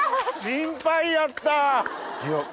心配やった。